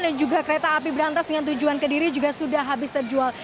dan juga kereta api berantas dengan tujuan kediri juga sudah habis terjual